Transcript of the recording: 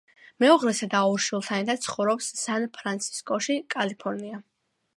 მეუღლესა და ორ შვილთან ერთად ცხოვრობს სან-ფრანცისკოში, კალიფორნია.